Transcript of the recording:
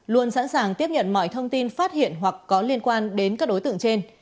luôn sẵn sàng tiếp nhận mọi thông tin phát hiện hoặc có liên quan đến các đối tượng trên